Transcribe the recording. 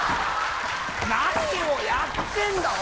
何をやってんだお前は！